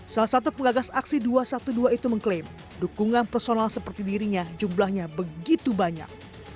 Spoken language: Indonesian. salah satu pengagas aksi dua ratus dua belas itu mengklaim dukungan personal seperti dirinya jumlahnya begitu banyak